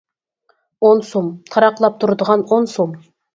-ئون سوم، تاراقلاپ تۇرىدىغان ئون سوم!